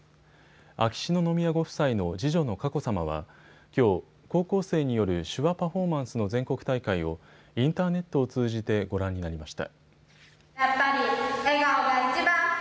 秋篠宮ご夫妻の次女の佳子さまはきょう高校生による手話パフォーマンスの全国大会をインターネットを通じてご覧になりました。